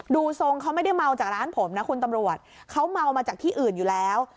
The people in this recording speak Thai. ดูทรงเขาไม่ได้เมาจากร้านผมนะคุณตำรวจเขาเมามาจากที่อื่นอยู่แล้ว